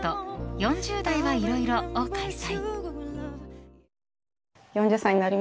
４０代はいろいろを開催。